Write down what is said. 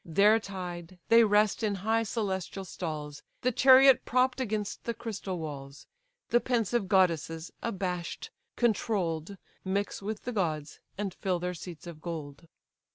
There tied, they rest in high celestial stalls; The chariot propp'd against the crystal walls, The pensive goddesses, abash'd, controll'd, Mix with the gods, and fill their seats of gold.